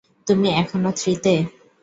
তুমি এখনও থ্রি তে?